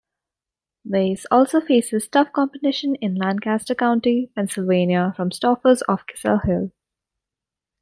Weis also faces tough competition in Lancaster County, Pennsylvania from Stauffer's of Kissel Hill.